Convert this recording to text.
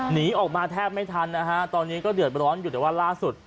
หนีออกมาแทบไม่ทันนะฮะตอนนี้ก็เดือดร้อนอยู่แต่ว่าล่าสุด